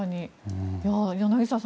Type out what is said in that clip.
柳澤さん